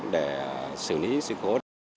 để xử lý sự khổ